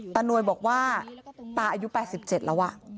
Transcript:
นวยบอกว่าตาอายุ๘๗แล้ว